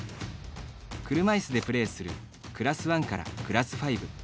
車いすでプレーするクラス１から、クラス５。